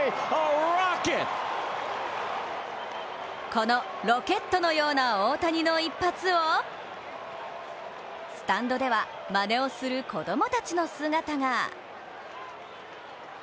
このロケットのような大谷の一発をスタンドではまねをする子どもたちの姿が。